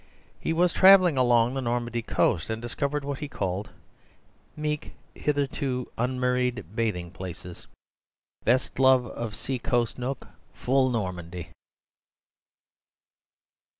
He was travelling along the Normandy coast, and discovered what he called "Meek, hitherto un Murrayed bathing places, Best loved of sea coast nook full Normandy!"